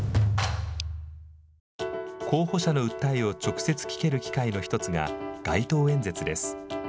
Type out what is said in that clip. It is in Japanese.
候補者の訴えを直接聞ける機会の１つが街頭演説です。